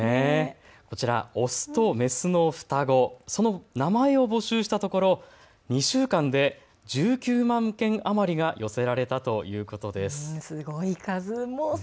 オスとメスの双子、その名前を募集したところ２週間で１９万件余りが寄せられたということです。